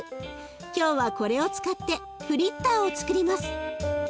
今日はこれを使ってフリッターをつくります。